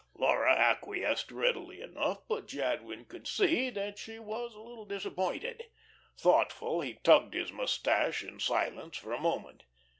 Laura acquiesced readily enough, but Jadwin could see that she was a little disappointed. Thoughtful, he tugged his mustache in silence for a moment.